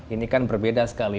ini kan berbeda sekali